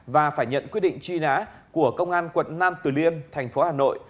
và phải nhận quyết định truy nã của công an quận nam từ liêm thành phố hà nội